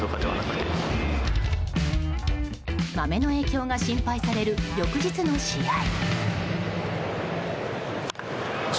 マメの影響が心配される翌日の試合。